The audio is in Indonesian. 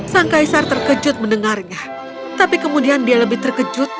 sang kaisar terkejut mendengarnya tapi kemudian dia lebih terkejut